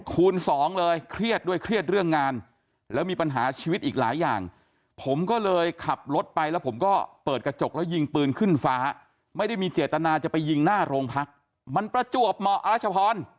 คูณสองเลยเครียดด้วยเครียดเรื่องงานแล้วมีปัญหาชีวิตอีกหลายอย่างผมก็เลยขับรถไปแล้วผมก็เปิดกระจกแล้วยิงปืนขึ้นฟ้าไม่ได้มีเจตนาจะไปยิงหน้าโรงพักมันประจวบเหมาะอรัชพร